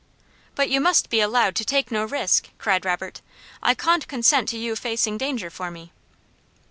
"But you must be allowed to take no risk!" cried Robert. "I cawn't consent to youah facing danger for me."